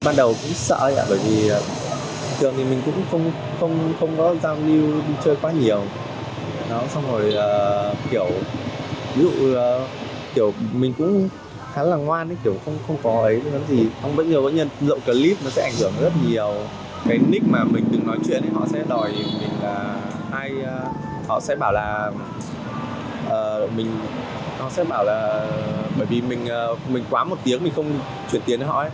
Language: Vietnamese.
và họ sẽ bảo là bởi vì mình quá một tiếng mình không chuyển tiền cho họ ấy